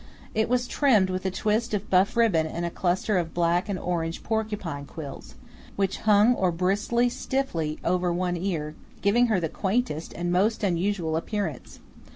It was trimmed with a twist of buff ribbon and a cluster of black and orange porcupine quills, which hung or bristled stiffly over one ear, giving her the quaintest and most unusual appearance.